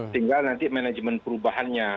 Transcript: tinggal nanti manajemen perubahannya